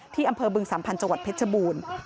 ที่อำเภอบึงสัมพันธ์จังหวัดเพชรบูรณ์